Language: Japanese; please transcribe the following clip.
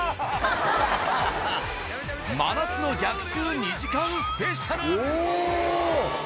真夏の逆襲２時間スペシャル。